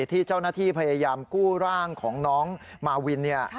ที่เจ้าหน้าที่พยายามกู้ร่างของน้องมาวิน